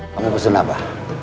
kamu pesan apa